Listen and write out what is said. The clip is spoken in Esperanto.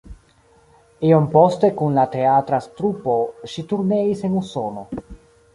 Iom poste kun la teatra trupo ŝi turneis en Usono.